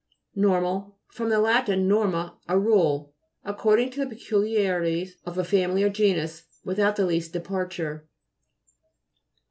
NOR'MAL fr. lat. norma, a rule. Ac cording to the peculiarities of a family or genus, without the least departure.